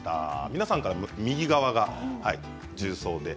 皆さんから見て右側が重曹で。